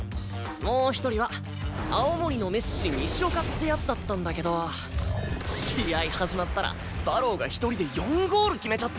もう一人は青森のメッシ西岡って奴だったんだけど試合始まったら馬狼が一人で４ゴール決めちゃってさ。